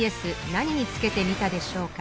何につけてみたでしょうか